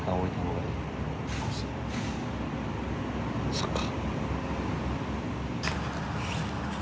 そっか。